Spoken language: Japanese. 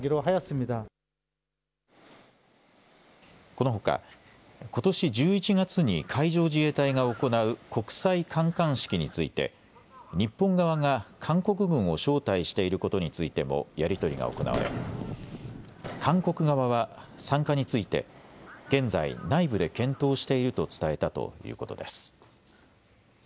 このほか、ことし１１月に海上自衛隊が行う国際観艦式について日本側が韓国軍を招待していることについてもやり取りが行われ韓国側は参加について現在、内部で検討していると伝えたということです。